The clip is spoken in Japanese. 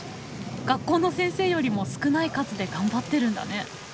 学校の先生よりも少ない数で頑張ってるんだね。